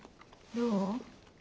どう？